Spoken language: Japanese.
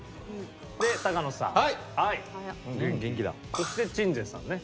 そして鎮西さんね。